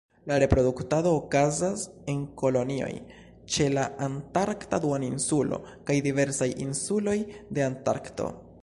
La reproduktado okazas en kolonioj ĉe la Antarkta Duoninsulo, kaj diversaj insuloj de Antarkto.